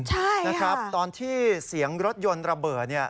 ใช่ค่ะตอนที่เสียงรถยนต์ระเบิดเนี่ย